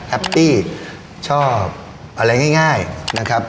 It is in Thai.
ตี้ชอบอะไรง่ายนะครับ